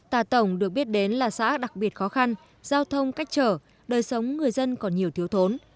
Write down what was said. tà tổng được biết đến là xã đặc biệt khó khăn giao thông cách trở đời sống người dân còn nhiều thiếu thốn